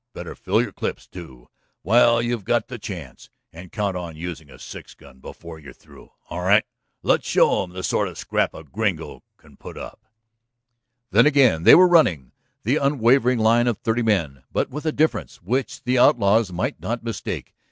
"Better fill your clips, too, while you've got the chance. And count on using a six gun before you're through. All right? Let's show 'em the sort of a scrap a Gringo can put up." Then again they were running, the unwavering line of thirty men, but with a difference which the outlaws might not mistake.